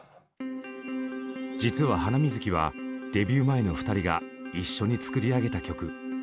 実は「ハナミズキ」はデビュー前の二人が一緒に作り上げた曲。